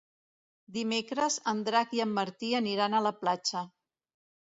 Dimecres en Drac i en Martí aniran a la platja.